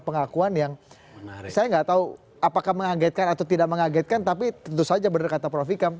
pengakuan yang saya nggak tahu apakah mengagetkan atau tidak mengagetkan tapi tentu saja benar kata prof ikam